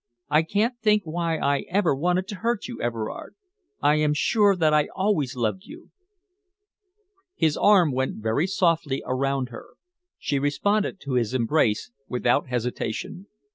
I can't think why I ever wanted to hurt you, Everard. I am sure that I always loved you." His arm went very softly around her. She responded to his embrace without hesitation.